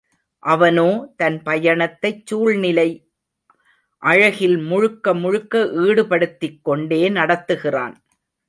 அவனோ தன் பயணத்தைச் சூழ்நிலை அழகில் முழுக்க முழுக்க ஈடுபடுத்திக் கொண்டே நடத்துகிறான்.